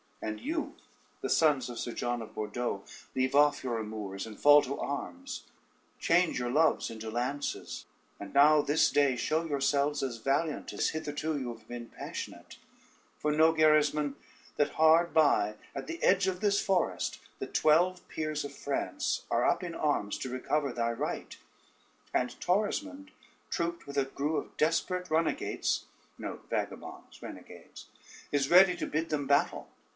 And you, the sons of Sir John of Bordeaux, leave off your amours and fall to arms; change your loves into lances, and now this day show yourselves as valiant as hitherto you have been passionate. For know, Gerismond, that hard by at the edge of this forest the twelve peers of France are up in arms to recover thy right; and Torismond, trooped with a crew of desperate runagates, is ready to bid them battle.